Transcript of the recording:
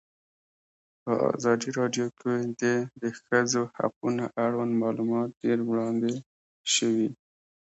په ازادي راډیو کې د د ښځو حقونه اړوند معلومات ډېر وړاندې شوي.